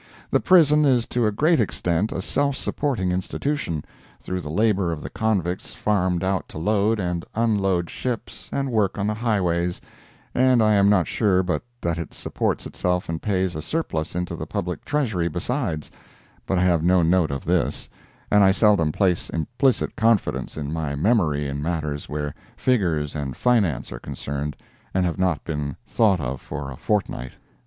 The prison is to a great extent a self supporting institution, through the labor of the convicts farmed out to load and unload ships and work on the highways, and I am not sure but that it supports itself and pays a surplus into the public treasury besides, but I have no note of this, and I seldom place implicit confidence in my memory in matters where figures and finance are concerned and have not been thought of for a fortnight.